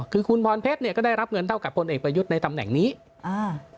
คือคุณพรเพชรเนี่ยก็ได้รับเงินเท่ากับพลเอกประยุทธ์ในตำแหน่งนี้อ่า